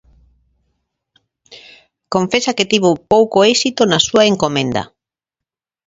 Confesa que tivo pouco éxito na súa encomenda.